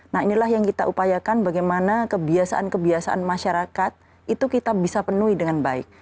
nah inilah yang kita upayakan bagaimana kebiasaan kebiasaan masyarakat itu kita bisa penuhi dengan baik